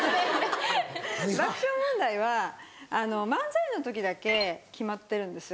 爆笑問題は漫才の時だけ決まってるんですよ。